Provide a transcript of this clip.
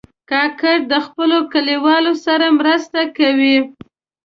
کاکړ د خپلو کلیوالو سره مرسته کوي.